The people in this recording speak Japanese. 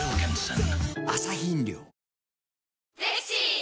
ん？